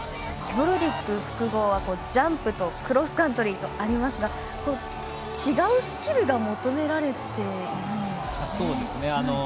ノルディック複合はジャンプとクロスカントリーとありますが違うスキルが求められているんですね。